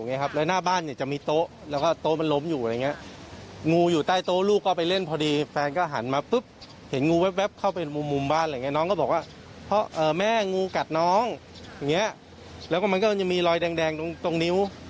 เอ้างูอยู่ใต้โต๊ะซะอย่างนั้น